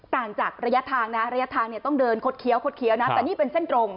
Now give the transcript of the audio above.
ต่างจากระยะทางนะระยะทางเนี่ยต้องเดินคดเคี้ยคดเคี้ยวนะแต่นี่เป็นเส้นตรง